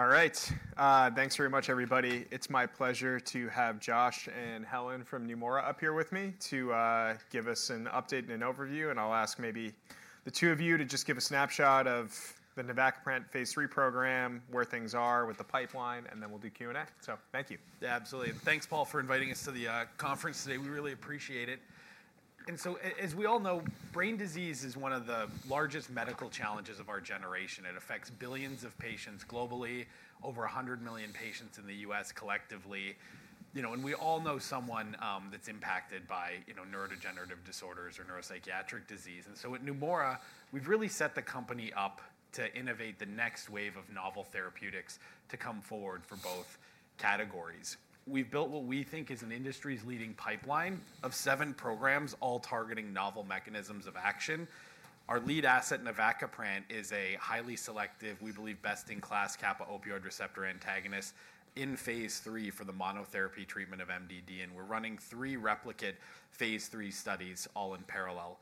All right. Thanks very much, everybody. It's my pleasure to have Josh and Helen from Neumora up here with me to give us an update and an overview, and I'll ask maybe the two of you to just give a snapshot of the navacaprant phase III program, where things are with the pipeline, and then we'll do Q&A, so thank you. Absolutely. And thanks, Paul, for inviting us to the conference today. We really appreciate it. And so, as we all know, brain disease is one of the largest medical challenges of our generation. It affects billions of patients globally, over 100 million patients in the U.S. collectively. And we all know someone that's impacted by neurodegenerative disorders or neuropsychiatric disease. And so at Neumora, we've really set the company up to innovate the next wave of novel therapeutics to come forward for both categories. We've built what we think is an industry's leading pipeline of seven programs, all targeting novel mechanisms of action. Our lead asset, navacaprant, is a highly selective, we believe, best-in-class kappa opioid receptor antagonist in phase III for the monotherapy treatment of MDD. And we're running three replicate phase III studies all in parallel.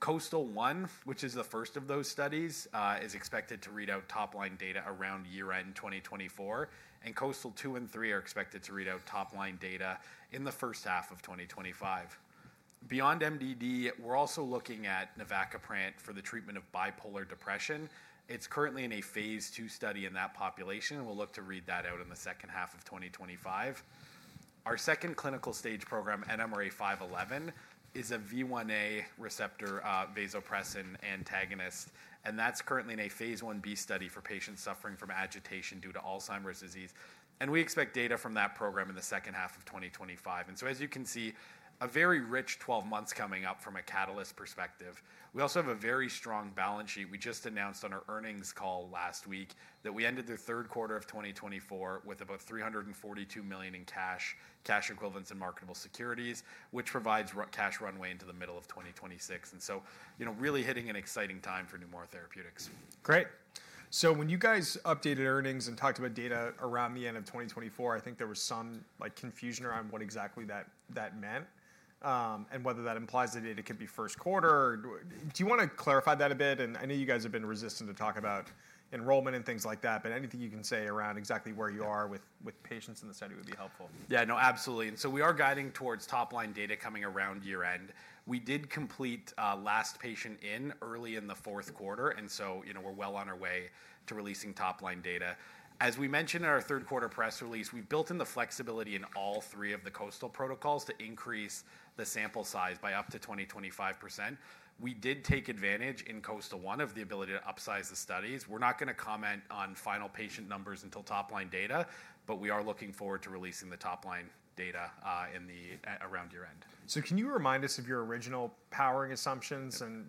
KOASTAL I, which is the first of those studies, is expected to read out top-line data around year-end 2024. And KOASTAL II and III are expected to read out top-line data in the first half of 2025. Beyond MDD, we're also looking at navacaprant for the treatment of bipolar depression. It's currently in a phase II study in that population. We'll look to read that out in the second half of 2025. Our second clinical stage program, NMRA-511, is a V1a receptor vasopressin antagonist. And that's currently in a phase 1b study for patients suffering from agitation due to Alzheimer's disease. And we expect data from that program in the second half of 2025. And so, as you can see, a very rich 12 months coming up from a catalyst perspective. We also have a very strong balance sheet. We just announced on our earnings call last week that we ended the third quarter of 2024 with about $342 million in cash, cash equivalents, and marketable securities, which provides cash runway into the middle of 2026, and so really hitting an exciting time for Neumora Therapeutics. Great. So when you guys updated earnings and talked about data around the end of 2024, I think there was some confusion around what exactly that meant and whether that implies the data could be first quarter. Do you want to clarify that a bit? And I know you guys have been resistant to talk about enrollment and things like that, but anything you can say around exactly where you are with patients in the study would be helpful. Yeah, no, absolutely. And so we are guiding towards top-line data coming around year-end. We did complete last patient early in the fourth quarter. And so we're well on our way to releasing top-line data. As we mentioned in our third quarter press release, we've built in the flexibility in all three of the KOASTAL protocols to increase the sample size by up to 20%-25%. We did take advantage in KOASTAL I of the ability to upsize the studies. We're not going to comment on final patient numbers until top-line data, but we are looking forward to releasing the top-line data around year-end. So can you remind us of your original powering assumptions? And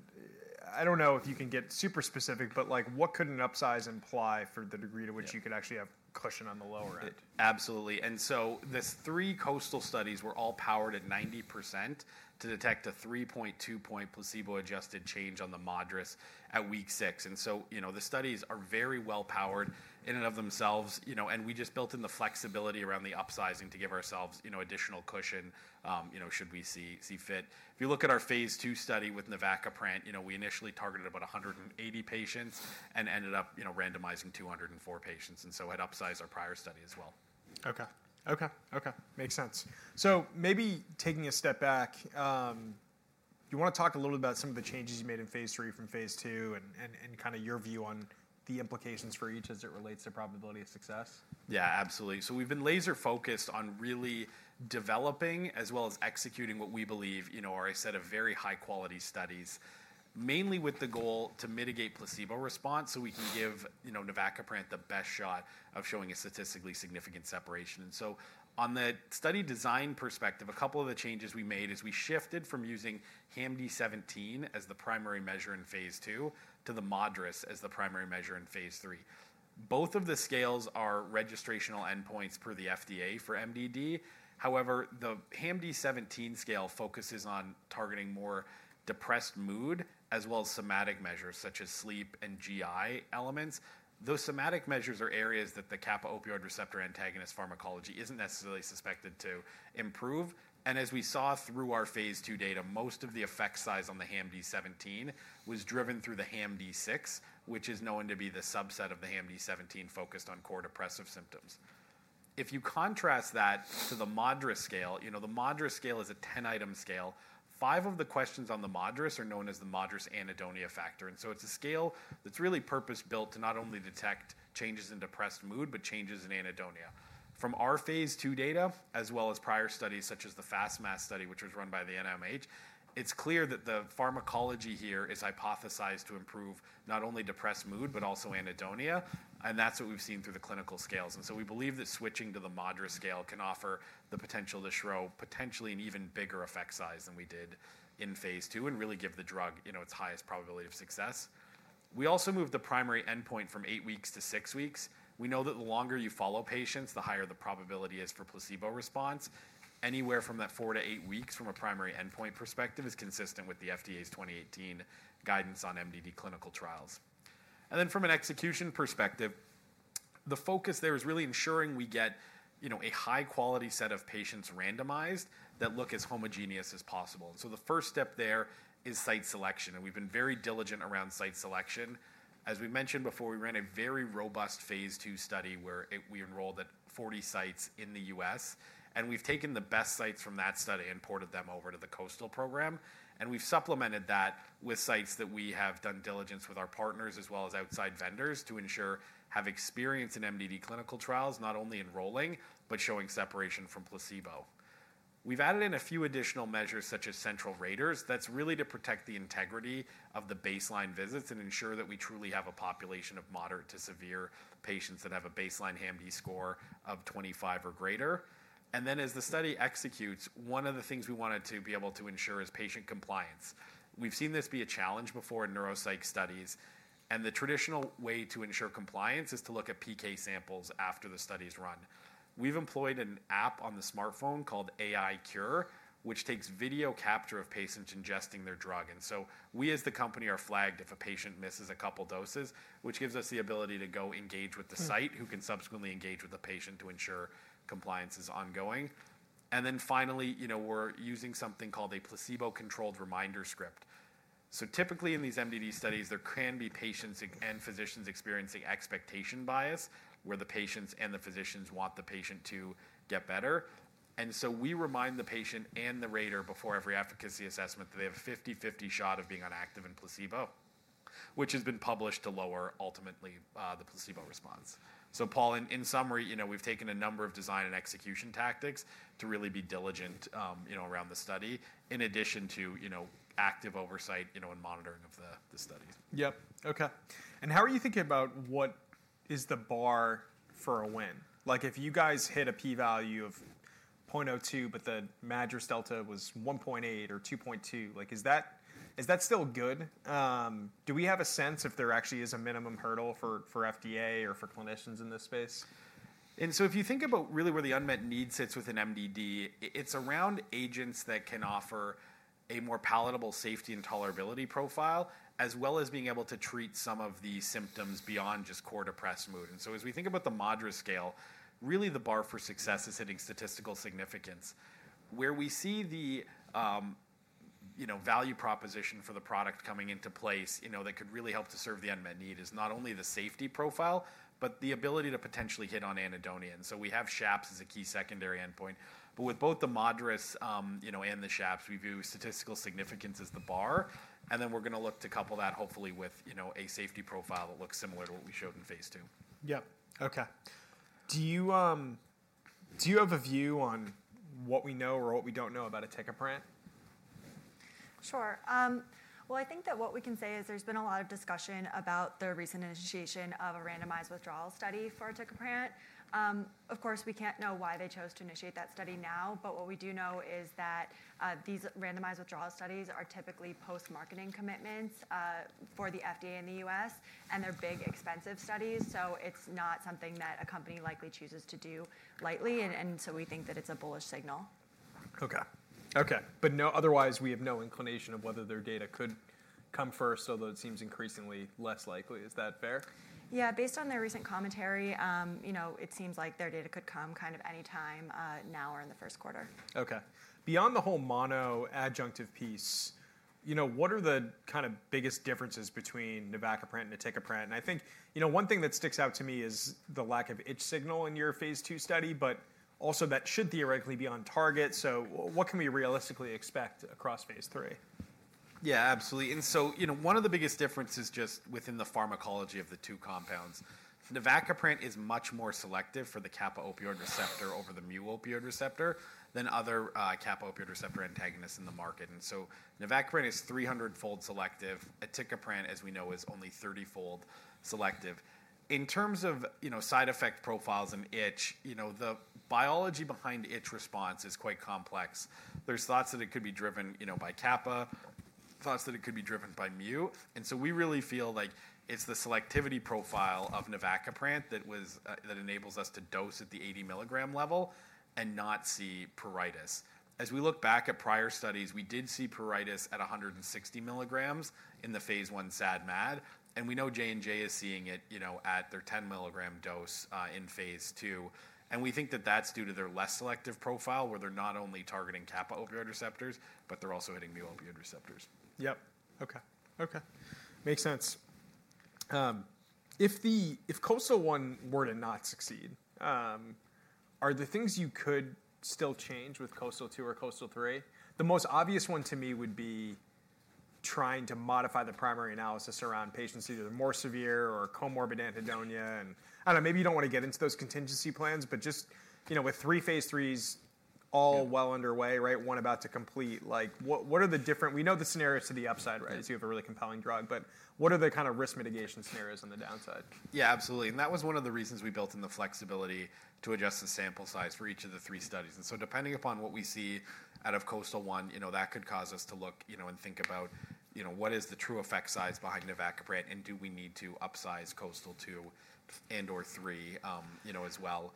I don't know if you can get super specific, but what could an upsize imply for the degree to which you could actually have cushion on the lower end? Absolutely. The three KOASTAL studies were all powered at 90% to detect a 3.2-point placebo-adjusted change on the MADRS at week six. The studies are very well powered in and of themselves. We just built in the flexibility around the upsizing to give ourselves additional cushion should we see fit. If you look at our phase II study with navacaprant, we initially targeted about 180 patients and ended up randomizing 204 patients. It upsized our prior study as well. Okay. Makes sense. So maybe taking a step back, do you want to talk a little bit about some of the changes you made in phase III from phase II and kind of your view on the implications for each as it relates to probability of success? Yeah, absolutely. So we've been laser-focused on really developing as well as executing what we believe are a set of very high-quality studies, mainly with the goal to mitigate placebo response so we can give navacaprant the best shot of showing a statistically significant separation. And so on the study design perspective, a couple of the changes we made is we shifted from using HAM-D17 as the primary measure in phase II to the MADRS as the primary measure in phase III. Both of the scales are registrational endpoints per the FDA for MDD. However, the HAM-D17 scale focuses on targeting more depressed mood as well as somatic measures such as sleep and GI elements. Those somatic measures are areas that the kappa opioid receptor antagonist pharmacology isn't necessarily suspected to improve. And as we saw through our phase II data, most of the effect size on the HAM-D17 was driven through the HAM-D6, which is known to be the subset of the HAM-D17 focused on core depressive symptoms. If you contrast that to the MADRS, the MADRS is a 10-item scale. Five of the questions on the MADRS are known as the MADRS anhedonia factor. And so it's a scale that's really purpose-built to not only detect changes in depressed mood, but changes in anhedonia. From our phase II data, as well as prior studies such as the FAST-MAS study, which was run by the NIMH, it's clear that the pharmacology here is hypothesized to improve not only depressed mood, but also anhedonia. And that's what we've seen through the clinical scales. And so we believe that switching to the MADRS scale can offer the potential to show potentially an even bigger effect size than we did in phase II and really give the drug its highest probability of success. We also moved the primary endpoint from eight weeks to six weeks. We know that the longer you follow patients, the higher the probability is for placebo response. Anywhere from that four to eight weeks from a primary endpoint perspective is consistent with the FDA's 2018 guidance on MDD clinical trials. And then from an execution perspective, the focus there is really ensuring we get a high-quality set of patients randomized that look as homogeneous as possible. And so the first step there is site selection. And we've been very diligent around site selection. As we mentioned before, we ran a very robust phase II study where we enrolled at 40 sites in the US, and we've taken the best sites from that study and ported them over to the KOASTAL program, and we've supplemented that with sites that we have done diligence with our partners as well as outside vendors to ensure have experience in MDD clinical trials, not only enrolling, but showing separation from placebo, and we've added in a few additional measures such as central raters. That's really to protect the integrity of the baseline visits and ensure that we truly have a population of moderate to severe patients that have a baseline HAM-D score of 25 or greater, and then as the study executes, one of the things we wanted to be able to ensure is patient compliance. We've seen this be a challenge before in neuropsych studies. The traditional way to ensure compliance is to look at PK samples after the study is run. We've employed an app on the smartphone called AiCure, which takes video capture of patients ingesting their drug. We as the company are flagged if a patient misses a couple doses, which gives us the ability to go engage with the site who can subsequently engage with the patient to ensure compliance is ongoing. Finally, we're using something called a placebo-controlled reminder script. Typically in these MDD studies, there can be patients and physicians experiencing expectation bias where the patients and the physicians want the patient to get better. We remind the patient and the rater before every efficacy assessment that they have a 50/50 shot of being on active and placebo, which has been published to lower ultimately the placebo response. So Paul, in summary, we've taken a number of design and execution tactics to really be diligent around the study in addition to active oversight and monitoring of the studies. Yep. Okay. And how are you thinking about what is the bar for a win? If you guys hit a p-value of 0.02, but the MADRS delta was 1.8 or 2.2, is that still good? Do we have a sense if there actually is a minimum hurdle for FDA or for clinicians in this space? And so if you think about really where the unmet need sits within MDD, it's around agents that can offer a more palatable safety and tolerability profile as well as being able to treat some of the symptoms beyond just core depressed mood. And so as we think about the MADRS, really the bar for success is hitting statistical significance. Where we see the value proposition for the product coming into place that could really help to serve the unmet need is not only the safety profile, but the ability to potentially hit on anhedonia. And so we have SHAPS as a key secondary endpoint. But with both the MADRS and the SHAPS, we view statistical significance as the bar. And then we're going to look to couple that hopefully with a safety profile that looks similar to what we showed in phase II. Yep. Okay. Do you have a view on what we know or what we don't know about aticaprant? Sure. Well, I think that what we can say is there's been a lot of discussion about the recent initiation of a randomized withdrawal study for aticaprant. Of course, we can't know why they chose to initiate that study now, but what we do know is that these randomized withdrawal studies are typically post-marketing commitments for the FDA in the US, and they're big, expensive studies. So it's not something that a company likely chooses to do lightly. And so we think that it's a bullish signal. Okay. Okay, but otherwise, we have no inclination of whether their data could come first, although it seems increasingly less likely. Is that fair? Yeah. Based on their recent commentary, it seems like their data could come kind of any time now or in the first quarter. Okay. Beyond the whole mono adjunctive piece, what are the kind of biggest differences between navacaprant and aticaprant? And I think one thing that sticks out to me is the lack of itch signal in your phase II study, but also that should theoretically be on target. So what can we realistically expect across phase III? Yeah, absolutely. One of the biggest differences just within the pharmacology of the two compounds, navacaprant is much more selective for the kappa opioid receptor over the mu opioid receptor than other kappa opioid receptor antagonists in the market. Navacaprant is 300-fold selective. Aticaprant, as we know, is only 30-fold selective. In terms of side effect profiles and itch, the biology behind itch response is quite complex. There's thoughts that it could be driven by kappa, thoughts that it could be driven by mu. We really feel like it's the selectivity profile of navacaprant that enables us to dose at the 80 mg level and not see pruritus. As we look back at prior studies, we did see pruritus at 160 mg in the phase I SAD/MAD. We know J&J is seeing it at their 10 mg dose in phase II. We think that that's due to their less selective profile where they're not only targeting kappa opioid receptors, but they're also hitting mu opioid receptors. Yep. Okay. Okay. Makes sense. If KOASTAL I were to not succeed, are the things you could still change with KOASTAL II or KOASTAL III? The most obvious one to me would be trying to modify the primary analysis around patients either more severe or comorbid anhedonia and I don't know, maybe you don't want to get into those contingency plans, but just with three phase IIIs all well underway, right, one about to complete, what are the different we know the scenarios to the upside, right, as you have a really compelling drug, but what are the kind of risk mitigation scenarios on the downside? Yeah, absolutely. And that was one of the reasons we built in the flexibility to adjust the sample size for each of the three studies. And so depending upon what we see out of KOASTAL I, that could cause us to look and think about what is the true effect size behind navacaprant and do we need to upsize KOASTAL II and/or III as well.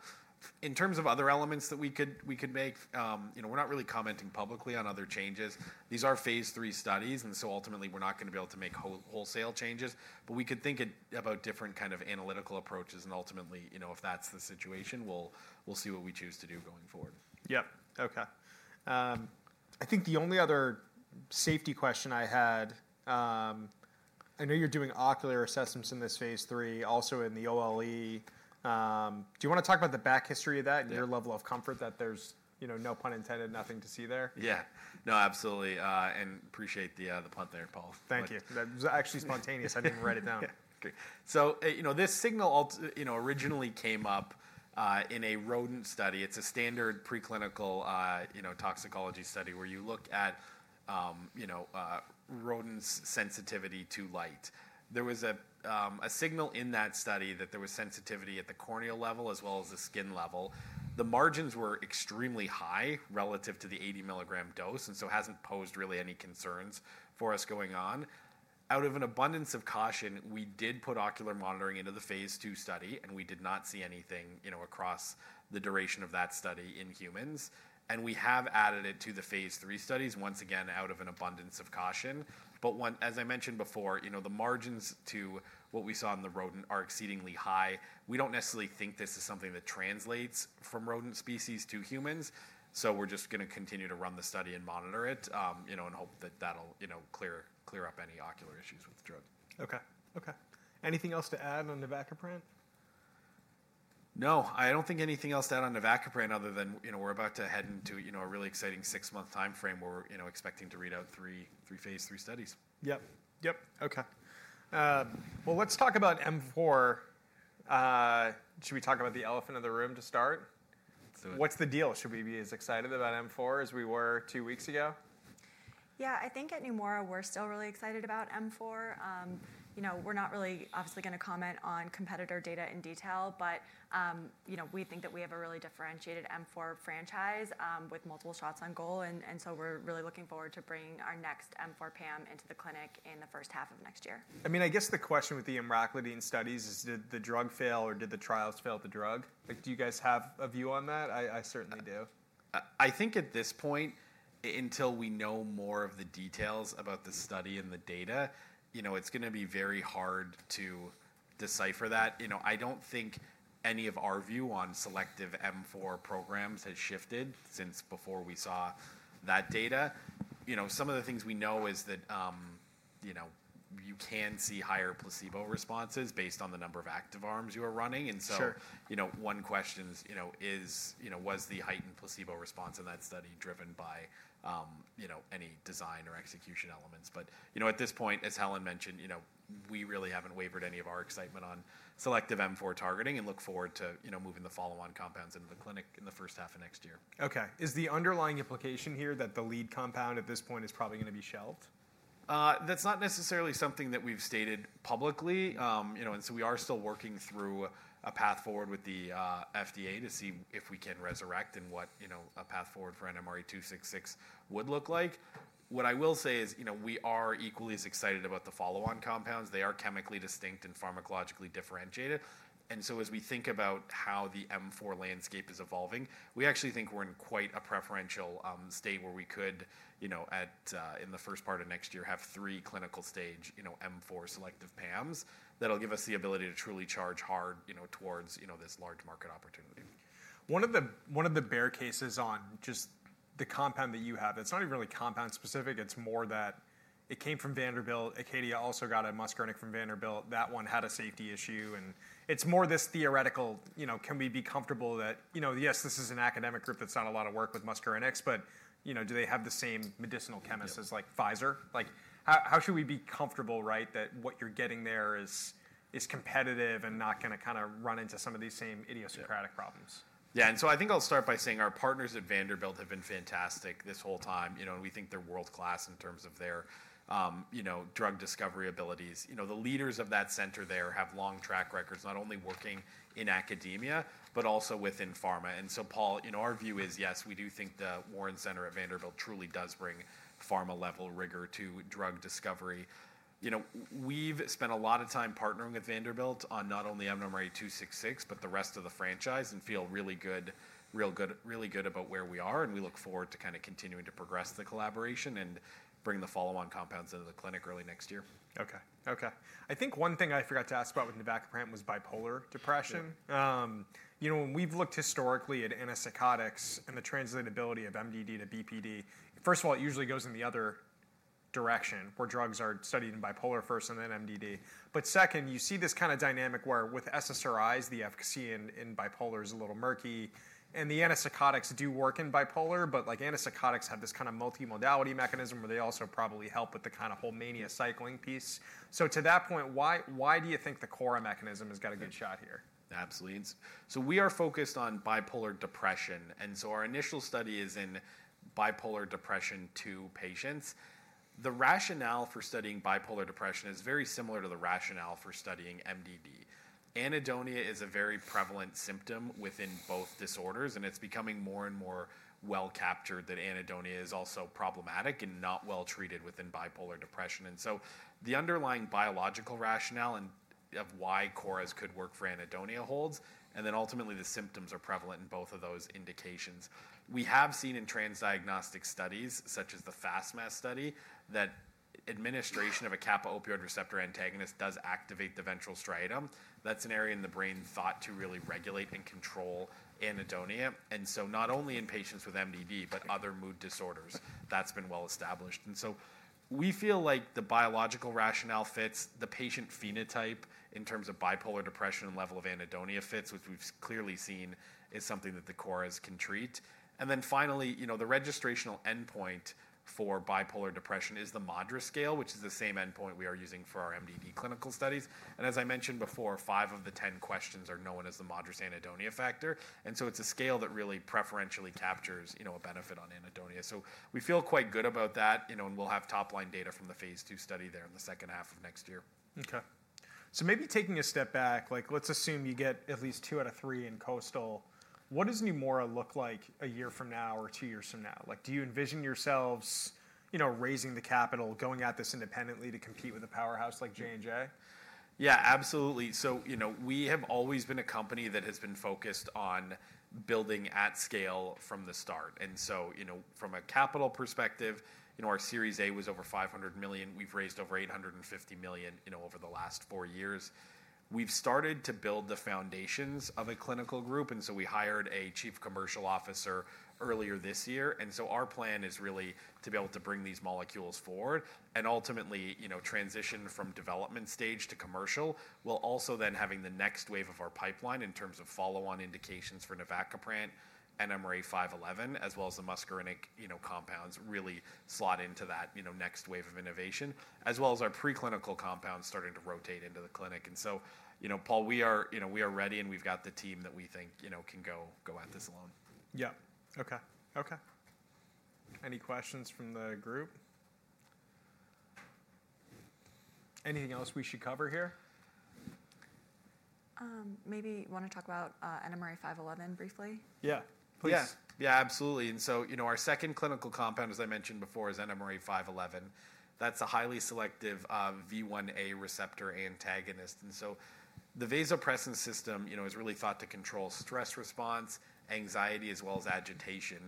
In terms of other elements that we could make, we're not really commenting publicly on other changes. These are phase III studies, and so ultimately we're not going to be able to make wholesale changes, but we could think about different kind of analytical approaches. And ultimately, if that's the situation, we'll see what we choose to do going forward. Yep. Okay. I think the only other safety question I had, I know you're doing ocular assessments in this phase III, also in the OLE. Do you want to talk about the back history of that and your level of comfort that there's no pun intended, nothing to see there? Yeah. No, absolutely. And appreciate the pun there, Paul. Thank you. That was actually spontaneous. I didn't write it down. Great. So this signal originally came up in a rodent study. It's a standard preclinical toxicology study where you look at rodents' sensitivity to light. There was a signal in that study that there was sensitivity at the corneal level as well as the skin level. The margins were extremely high relative to the 80 mg dose, and so it hasn't posed really any concerns for us going on. Out of an abundance of caution, we did put ocular monitoring into the phase II study, and we did not see anything across the duration of that study in humans. And we have added it to the phase III studies, once again, out of an abundance of caution. But as I mentioned before, the margins to what we saw in the rodent are exceedingly high. We don't necessarily think this is something that translates from rodent species to humans. So we're just going to continue to run the study and monitor it and hope that that'll clear up any ocular issues with the drug. Anything else to add on navacaprant? No. I don't think anything else to add on navacaprant other than we're about to head into a really exciting six-month timeframe where we're expecting to read out three phase III studies. Yep. Yep. Okay. Well, let's talk about M4. Should we talk about the elephant in the room to start? What's the deal? Should we be as excited about M4 as we were two weeks ago? Yeah. I think at Neumora, we're still really excited about M4. We're not really obviously going to comment on competitor data in detail, but we think that we have a really differentiated M4 franchise with multiple shots on goal. And so we're really looking forward to bringing our next M4 PAM into the clinic in the first half of next year. I mean, I guess the question with the emraclidine studies is, did the drug fail or did the trials fail the drug? Do you guys have a view on that? I certainly do. I think at this point, until we know more of the details about the study and the data, it's going to be very hard to decipher that. I don't think any of our view on selective M4 programs has shifted since before we saw that data. Some of the things we know is that you can see higher placebo responses based on the number of active arms you are running. And so one question is, was the heightened placebo response in that study driven by any design or execution elements? But at this point, as Helen mentioned, we really haven't wavered any of our excitement on selective M4 targeting and look forward to moving the follow-on compounds into the clinic in the first half of next year. Okay. Is the underlying implication here that the lead compound at this point is probably going to be shelved? That's not necessarily something that we've stated publicly. And so we are still working through a path forward with the FDA to see if we can resurrect and what a path forward for NMRA-266 would look like. What I will say is we are equally as excited about the follow-on compounds. They are chemically distinct and pharmacologically differentiated. And so as we think about how the M4 landscape is evolving, we actually think we're in quite a preferential state where we could, in the first part of next year, have three clinical stage M4 selective PAMs that'll give us the ability to truly charge hard towards this large market opportunity. One of the bear cases on just the compound that you have, it's not even really compound specific. It's more that it came from Vanderbilt. Acadia also got a muscarinic from Vanderbilt. That one had a safety issue, and it's more this theoretical, can we be comfortable that, yes, this is an academic group that's done a lot of work with muscarinics, but do they have the same medicinal chemists as Pfizer? How should we be comfortable, right, that what you're getting there is competitive and not going to kind of run into some of these same idiosyncratic problems? Yeah. And so I think I'll start by saying our partners at Vanderbilt have been fantastic this whole time. And we think they're world-class in terms of their drug discovery abilities. The leaders of that center there have long track records not only working in academia, but also within pharma. And so Paul, our view is, yes, we do think the Warren Center at Vanderbilt truly does bring pharma-level rigor to drug discovery. We've spent a lot of time partnering with Vanderbilt on not only NMRA-266, but the rest of the franchise and feel really good, really good about where we are. And we look forward to kind of continuing to progress the collaboration and bring the follow-on compounds into the clinic early next year. Okay. Okay. I think one thing I forgot to ask about with navacaprant was bipolar depression. When we've looked historically at antipsychotics and the translatability of MDD to BPD, first of all, it usually goes in the other direction where drugs are studied in bipolar first and then MDD. But second, you see this kind of dynamic where with SSRIs, the efficacy in bipolar is a little murky. And the antipsychotics do work in bipolar, but antipsychotics have this kind of multimodality mechanism where they also probably help with the kind of whole mania cycling piece. So to that point, why do you think the KORA mechanism has got a good shot here? Absolutely. So we are focused on bipolar depression, and so our initial study is in bipolar depression II patients. The rationale for studying bipolar depression is very similar to the rationale for studying MDD. Anhedonia is a very prevalent symptom within both disorders, and it's becoming more and more well captured that anhedonia is also problematic and not well treated within bipolar depression. And so the underlying biological rationale of why KORAs could work for anhedonia holds, and then ultimately the symptoms are prevalent in both of those indications. We have seen in transdiagnostic studies such as the FAST-MAS study that administration of a kappa opioid receptor antagonist does activate the ventral striatum. That's an area in the brain thought to really regulate and control anhedonia. And so not only in patients with MDD, but other mood disorders, that's been well established. And so we feel like the biological rationale fits, the patient phenotype in terms of bipolar depression and level of anhedonia fits, which we've clearly seen is something that the KORAs can treat. And then finally, the registrational endpoint for bipolar depression is the MADRS scale, which is the same endpoint we are using for our MDD clinical studies. And as I mentioned before, five of the 10 questions are known as the MADRS anhedonia factor. And so it's a scale that really preferentially captures a benefit on anhedonia. So we feel quite good about that, and we'll have top-line data from the phase II study there in the second half of next year. Okay. So maybe taking a step back, let's assume you get at least two out of three in KOASTAL. What does Neumora look like a year from now or two years from now? Do you envision yourselves raising the capital, going at this independently to compete with a powerhouse like J&J? Yeah, absolutely. So we have always been a company that has been focused on building at scale from the start. And so from a capital perspective, our Series A was over $500 million. We've raised over $850 million over the last four years. We've started to build the foundations of a clinical group. And so we hired a chief commercial officer earlier this year. And so our plan is really to be able to bring these molecules forward and ultimately transition from development stage to commercial while also then having the next wave of our pipeline in terms of follow-on indications for navacaprant, NMRA-511, as well as the muscarinic compounds really slot into that next wave of innovation, as well as our preclinical compounds starting to rotate into the clinic. And so, Paul, we are ready, and we've got the team that we think can go at this alone. Yep. Okay. Okay. Any questions from the group? Anything else we should cover here? Maybe you want to talk about NMRA-511 briefly? Yeah, please. Yeah, absolutely. Our second clinical compound, as I mentioned before, is NMRA-511. That's a highly selective V1a receptor antagonist. The vasopressin system is really thought to control stress response, anxiety, as well as agitation.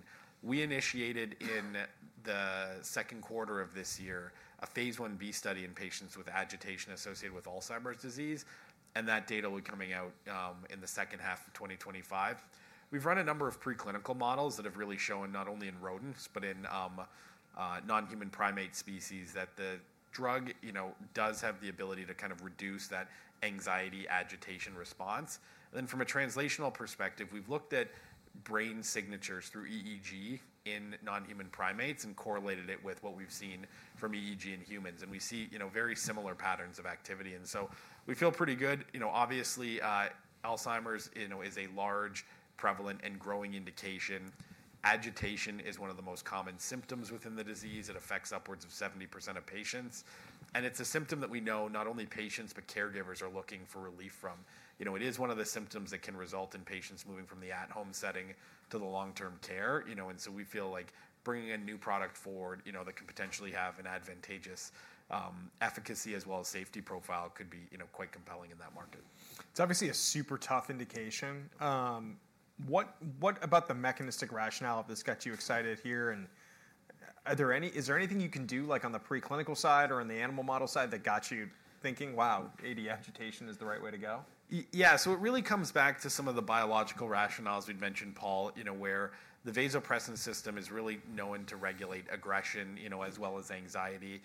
We initiated in the second quarter of this year a phase 1b study in patients with agitation associated with Alzheimer's disease, and that data will be coming out in the second half of 2025. We've run a number of preclinical models that have really shown not only in rodents, but in non-human primate species that the drug does have the ability to kind of reduce that anxiety agitation response. From a translational perspective, we've looked at brain signatures through EEG in non-human primates and correlated it with what we've seen from EEG in humans. We see very similar patterns of activity. We feel pretty good. Obviously, Alzheimer's is a large, prevalent, and growing indication. Agitation is one of the most common symptoms within the disease. It affects upwards of 70% of patients. And it's a symptom that we know not only patients, but caregivers are looking for relief from. It is one of the symptoms that can result in patients moving from the at-home setting to the long-term care. And so we feel like bringing a new product forward that can potentially have an advantageous efficacy as well as safety profile could be quite compelling in that market. It's obviously a super tough indication. What about the mechanistic rationale of this got you excited here, and is there anything you can do on the preclinical side or on the animal model side that got you thinking, "Wow, AD agitation is the right way to go"? Yeah. So it really comes back to some of the biological rationales we've mentioned, Paul, where the vasopressin system is really known to regulate aggression as well as anxiety.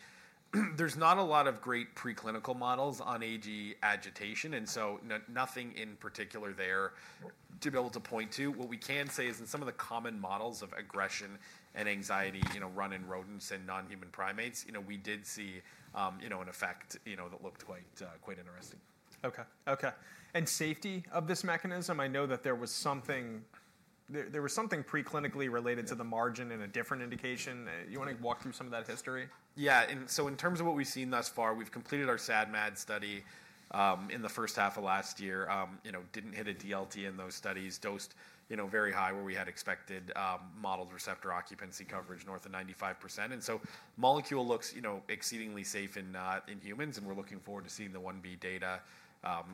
There's not a lot of great preclinical models on AD agitation, and so nothing in particular there to be able to point to. What we can say is in some of the common models of aggression and anxiety run in rodents and non-human primates, we did see an effect that looked quite interesting. Okay. And safety of this mechanism, I know that there was something preclinically related to the M4 in a different indication. You want to walk through some of that history? Yeah. And so in terms of what we've seen thus far, we've completed our SAD/MAD study in the first half of last year. Didn't hit a DLT in those studies, dosed very high where we had expected modeled receptor occupancy coverage, north of 95%. And so molecule looks exceedingly safe in humans, and we're looking forward to seeing the 1B data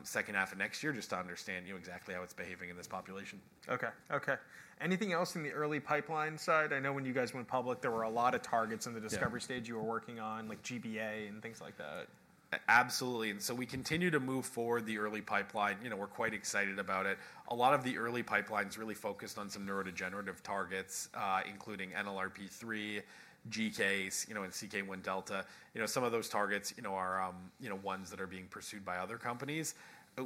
second half of next year just to understand exactly how it's behaving in this population. Okay. Okay. Anything else in the early pipeline side? I know when you guys went public, there were a lot of targets in the discovery stage you were working on, like GCase and things like that. Absolutely. And so we continue to move forward the early pipeline. We're quite excited about it. A lot of the early pipeline is really focused on some neurodegenerative targets, including NLRP3, GCase, and CK1 delta. Some of those targets are ones that are being pursued by other companies.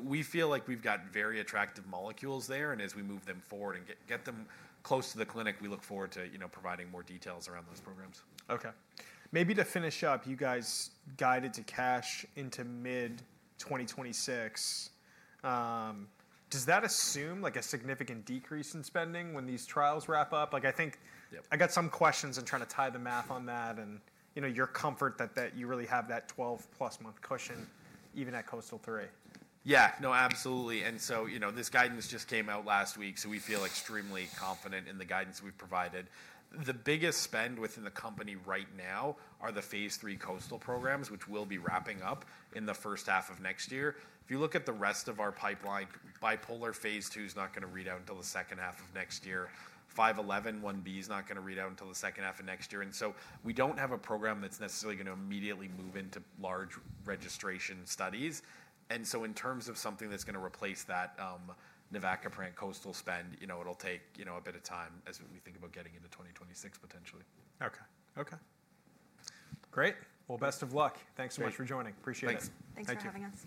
We feel like we've got very attractive molecules there. And as we move them forward and get them close to the clinic, we look forward to providing more details around those programs. Okay. Maybe to finish up, you guys guided to cash into mid-2026. Does that assume a significant decrease in spending when these trials wrap up? I think I got some questions and trying to tie the math on that and your comfort that you really have that 12-plus month cushion even at KOASTAL III. Yeah. No, absolutely. And so this guidance just came out last week, so we feel extremely confident in the guidance we've provided. The biggest spend within the company right now are the phase III KOASTAL programs, which we'll be wrapping up in the first half of next year. If you look at the rest of our pipeline, bipolar phase II is not going to read out until the second half of next year. NMRA-511 phase 1b is not going to read out until the second half of next year. And so we don't have a program that's necessarily going to immediately move into large registration studies. And so in terms of something that's going to replace that navacaprant KOASTAL spend, it'll take a bit of time as we think about getting into 2026 potentially. Okay. Okay. Great. Well, best of luck. Thanks so much for joining. Appreciate it. Thanks. Thanks for having us.